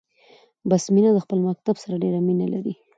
بسمينه د خپل مکتب سره ډيره مينه لري 🏫